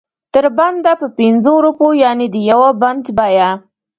تر بنده په پنځو روپو یعنې د یو بند بیه.